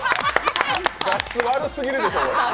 画質、悪すぎるでしょこれ。